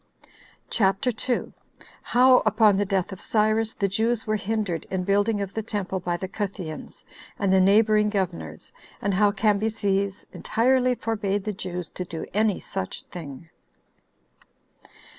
CHAPTER 2. How Upon The Death Of Cyrus The Jews Were Hindered In Building Of The Temple By The Cutheans, And The Neighboring Governors; And How Cambyses Entirely Forbade The Jews To Do Any Such Thing.